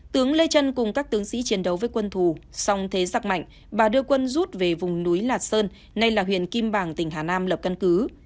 tướng lê trân cùng các tướng sĩ chiến đấu với quân thù song thế giặc mạnh bà đưa quân rút về vùng núi lạc sơn nay là huyện kim bàng tỉnh hà nam lập căn cứ